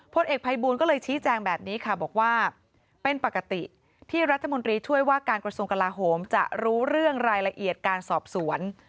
เอกภัยบูลก็เลยชี้แจงแบบนี้ค่ะบอกว่าเป็นปกติที่รัฐมนตรีช่วยว่าการกระทรวงกลาโหมจะรู้เรื่องรายละเอียดการสอบสวน